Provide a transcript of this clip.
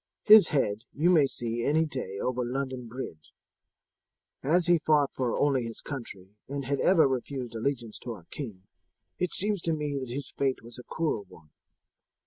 His head you may see any day over London Bridge. As he fought only for his country and had ever refused allegiance to our king, it seems to me that his fate was a cruel one.